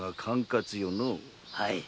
はい。